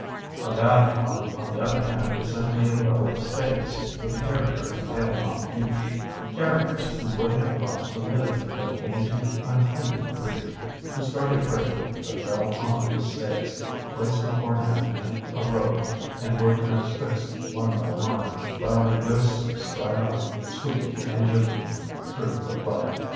A bad plot, on the other hand, is simply a row of stakes, with a character impaled on each—characters who would have liked to live, but came to untimely grief; who started bravely, but fell on these stakes, placed beforehand in a row, and were transfixed one by one, while their ghosts stride on, squeaking and gibbering, through the play.